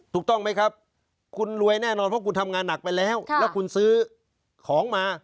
ถูกต้องไหมครับคุณรวยแน่นอนเพราะคุณทำงานหนักไปแล้วแล้วคุณซื้อของมา